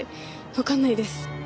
わからないです。